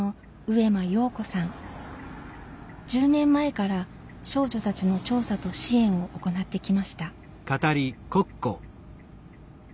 １０年前から少女たちの調査と支援を行ってきました。